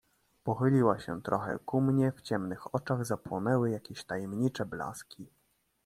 "Pochyliła się trochę ku mnie, w ciemnych oczach zapłonęły jakieś tajemnicze blaski."